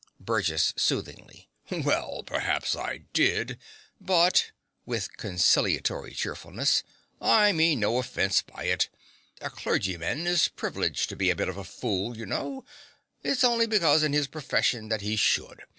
BURGESS (soothingly). Well, perhaps I did; but (with conciliatory cheerfulness) I meant no offence by it. A clergyman is privileged to be a bit of a fool, you know: it's on'y becomin' in his profession that he should.